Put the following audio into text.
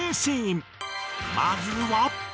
まずは。